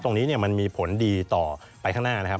ตรงนี้มันมีผลดีต่อไปข้างหน้านะครับ